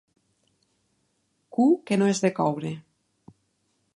Cu que no és de coure.